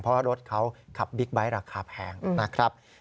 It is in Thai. เพราะรถเขาขับบิ๊กไบท์ราคาแพงนะครับ